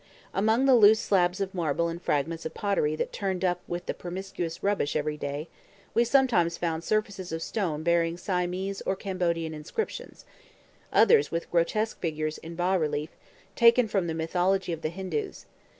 Among the loose slabs of marble and fragments of pottery that turned up with the promiscuous rubbish every day, we sometimes found surfaces of stone bearing Siamese or Cambodian inscriptions; others with grotesque figures in bass relief, taken from the mythology of the Hindoos.